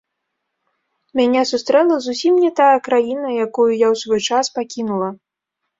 Мяне сустрэла зусім не тая краіна, якую я ў свой час пакінула.